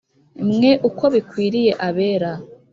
Mwe uko bikwiriye abera